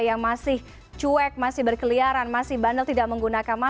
yang masih cuek masih berkeliaran masih bandel tidak menggunakan masker